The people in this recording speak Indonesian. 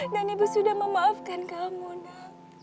dan ibu sudah memaafkan kamu na